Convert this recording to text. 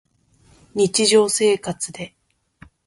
日常生活で